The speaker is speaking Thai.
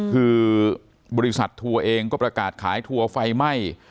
คือบริษัททัวร์เองก็ประกาศขายทัวร์ไฟไหม้